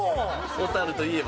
小樽といえば？